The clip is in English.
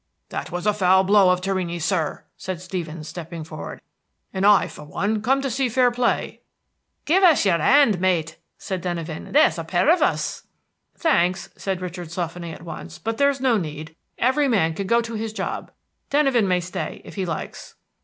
"That was a foul blow of Torrini's, sir," said Stevens, stepping forward, "and I for one come to see fair play." "Give us your 'and, mate!" cried Denyven; "there's a pair of us." "Thanks," said Richard, softening at once, "but there's no need. Every man can go to his job. Denyven may stay, if he likes."